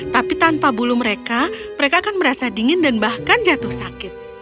tapi tanpa bulu mereka mereka akan merasa dingin dan bahkan jatuh sakit